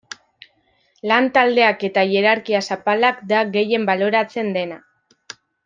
Lan taldeak eta hierarkia zapalak da gehien baloratzen dena.